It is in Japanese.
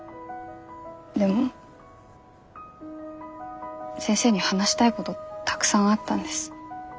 でも先生に話したいことたくさんあったんです。